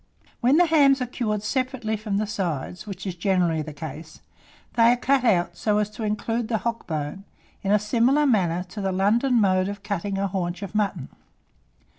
When the hams are cured separately from the sides, which is generally the case, they are cut out so as to include the hock bone, in a similar manner to the London mode of cutting a haunch of mutton.